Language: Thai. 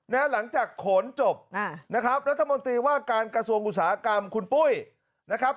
หลังจากโขนจบนะครับรัฐมนตรีว่าการกระทรวงอุตสาหกรรมคุณปุ้ยนะครับ